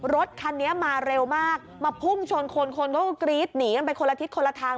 รถคันนี้มาเร็วมากมาพุ่งชนคนคนเขาก็กรี๊ดหนีกันไปคนละทิศคนละทาง